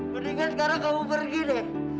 mendingan sekarang kamu pergi deh